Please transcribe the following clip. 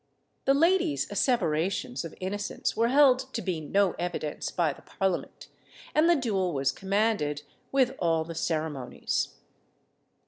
The lady's asseverations of innocence were held to be no evidence by the parliament, and the duel was commanded, with all the ceremonies.